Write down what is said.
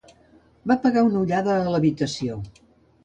Va pegar una ullada a l'habitació.